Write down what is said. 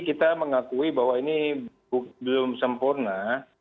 kita mengakui bahwa ini belum sempurna